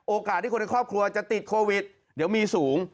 โอกาสที่คนในครอบครัวจะติดโควิดเดี๋ยวมีสูง